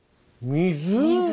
水。